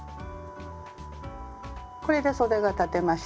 これでそでが裁てました。